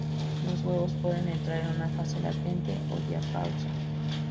Los huevos pueden entrar en una fase latente o diapausa.